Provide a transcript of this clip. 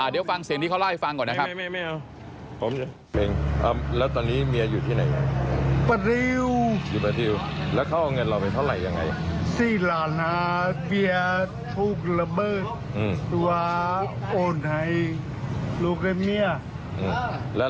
เดี๋ยวฟังเสียงที่เขาเล่าให้ฟังก่อนนะครับ